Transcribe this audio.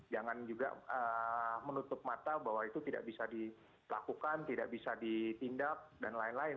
jangan juga menutup mata bahwa itu tidak bisa dilakukan tidak bisa ditindak dan lain lain